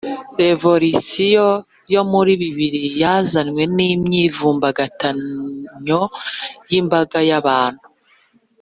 revolisiyo yo muri bibiri yazanywe n'imyivumbagatanyo y'imbaga yabantu